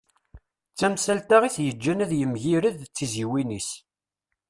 D tamsalt-a i t-yeǧǧan ad yemgired d tiziwin-is.